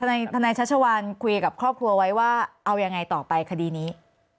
ทนายชัชวานคุยกับครอบครัวไว้ว่าเอายังไงต่อไปคดีนี้